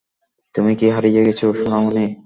তুমি কি হারিয়ে গেছো, সোনামণি!